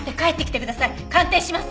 鑑定します！